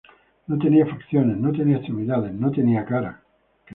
No tenía facciones, no tenía extremidades, no tenía cara.